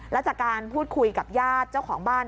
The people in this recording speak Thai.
แล้วจากการพูดคุยกับญาติเจ้าของบ้าน